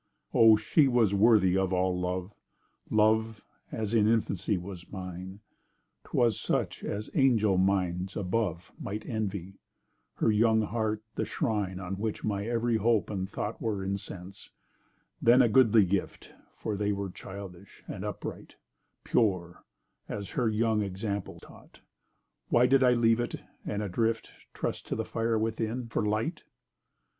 O, she was worthy of all love! Love—as in infancy was mine— 'Twas such as angel minds above Might envy; her young heart the shrine On which my ev'ry hope and thought Were incense—then a goodly gift, For they were childish—and upright— Pure—as her young example taught: Why did I leave it, and, adrift, Trust to the fire within, for light?